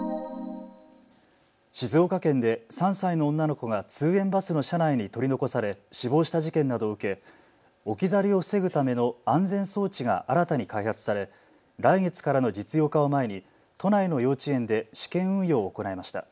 静岡県で３歳の女の子が通園バスの車内に取り残され死亡した事件などを受け置き去りを防ぐための安全装置が新たに開発され来月からの実用化を前に都内の幼稚園で試験運用を行いました。